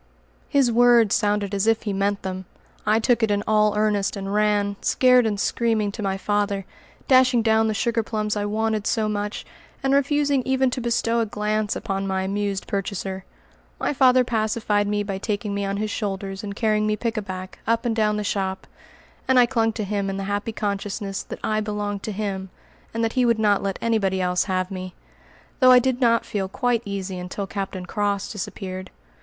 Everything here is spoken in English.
His words sounded as if he meant them. I took it all in earnest, and ran, scared and screaming, to my father, dashing down the sugar plums I wanted so much, and refusing even to bestow a glance upon my amused purchaser. My father pacified me by taking me on his shoulders and carrying me "pickaback" up and down the shop, and I clung to him in the happy consciousness that I belonged to him, and that he would not let anybody else have me; though I did not feel quite easy until Captain Cross disappeared.